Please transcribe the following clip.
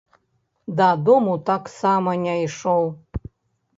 Дадому таксама не ішоў.